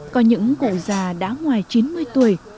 có những cổ già đã ngoài chín mươi tuổi